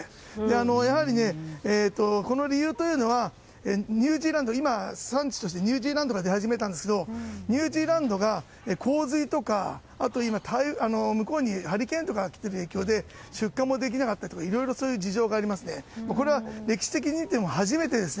やはり、この理由というのは今、産地としてニュージーランドが出始めたんですがニュージーランドが洪水やあとは向こうにハリケーンとかが来ている影響で出荷もできなかったとかいろいろ事情がありまして歴史的に見ても初めてですね。